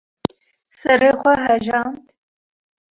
‘’ serê xwe hejand.